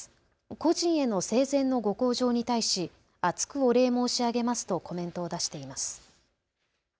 故人への生前のご厚情に対し厚くお礼申し上げますとコメントを出しています。